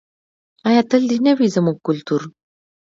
آیا تل دې نه وي زموږ کلتور؟